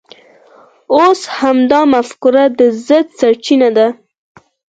اوس همدا مفکوره د عزت سرچینه ده.